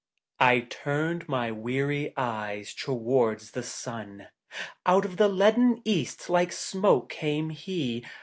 I turned my weaiy eyes towards the sun, Out of the leaden East like smoke came he.